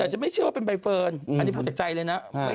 แต่จะไม่เชื่อว่าเป็นใบเฟิร์นอันนี้พูดจากใจเลยนะ